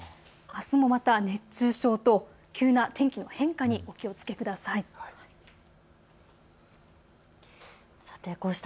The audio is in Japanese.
あすもまた熱中症と急な天気の変化にお気をつけください。